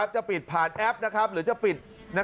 หรือจะปิดจากสวิตช์ไวไฟก็ได้ครับคุณผู้ชมฟังช่างปอลเล่า